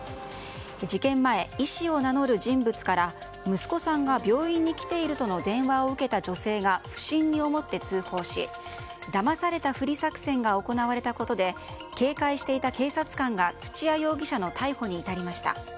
事件前、医師を名乗る人物から息子さんが病院に来ているとの電話を受けた女性が不審に思って通報しだまされたふり作戦が行われたことで警戒していた警察官が土屋容疑者の逮捕に至りました。